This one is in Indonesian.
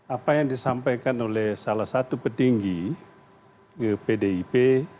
apa yang disampaikan oleh salah satu petinggi pdip